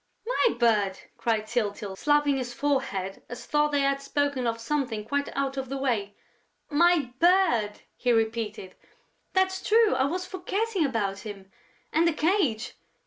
"My bird!" cried Tyltyl, slapping his forehead as though they had spoken of something quite out of the way. "My bird!" he repeated. "That's true, I was forgetting about him!... And the cage!...